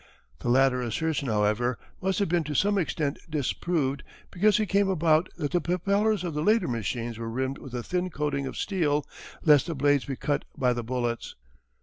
The latter assertion, however, must have been to some extent disproved because it came about that the propellers of the later machines were rimmed with a thin coating of steel lest the blades be cut by the bullets.